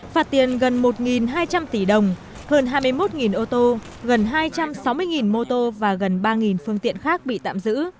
phạt tiền gần một hai trăm linh tỷ đồng hơn hai mươi một ô tô gần hai trăm sáu mươi mô tô và gần ba phương tiện khác bị tạm giữ